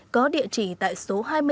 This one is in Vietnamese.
có địa chỉ tại số hai